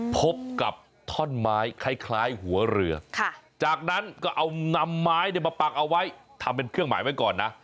พบกับท่อนไม้คล้ายหัวเรือจากนั้นก็เอานำไม้มาปักเอาไว้ทำเป็นเครื่องหมายไว้ก่อนนะ